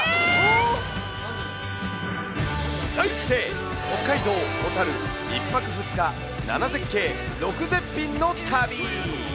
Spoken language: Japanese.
題して、北海道・小樽１泊２日７絶景６絶品の旅。